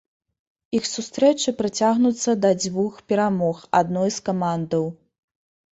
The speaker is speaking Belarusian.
Іх сустрэчы працягнуцца да дзвюх перамог адной з камандаў.